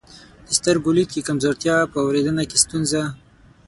د سترګو لید کې کمزورتیا، په اورېدنه کې ستونزه،